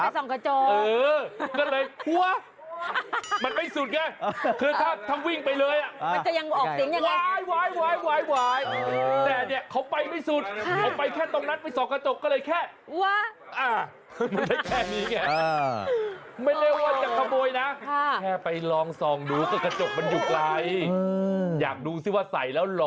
เต้นตุบไหมนะมีเหงื่อตกเหงื่อแตกบ้างแล้ว